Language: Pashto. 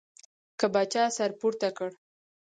که به چا سر پورته کړ.